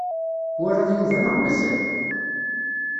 Twalaḍ Yuba neɣ mazal?